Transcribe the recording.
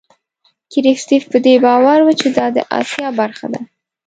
کرستیف په دې باور و چې دا د آسیا برخه ده.